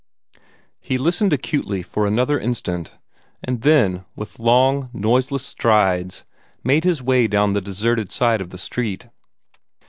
He listened acutely for another instant, and then with long, noiseless strides made his way down his deserted side of the street.